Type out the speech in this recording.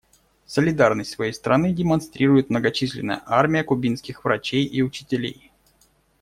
Солидарность своей страны демонстрирует многочисленная армия кубинских врачей и учителей.